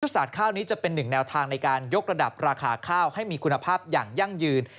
ศาสตร์ข้าวนี้จะเป็นหนึ่งแนวทางในการยกระดับราคาข้าวให้มีคุณภาพอย่างยั่งยืน